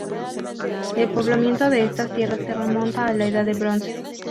El poblamiento de estas tierras se remonta a la Edad de Bronce.